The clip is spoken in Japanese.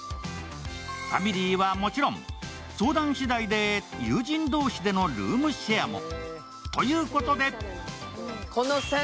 ファミリーはもちろん、相談しだいで友人同士でのルームシェアも。